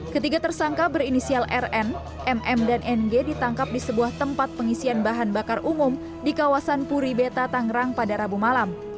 ketiga tersangka berinisial rn mm dan ng ditangkap di sebuah tempat pengisian bahan bakar umum di kawasan puri beta tangerang pada rabu malam